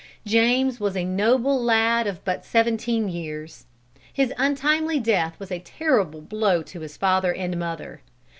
James was a noble lad of but seventeen years. His untimely death was a terrible blow to his father and mother.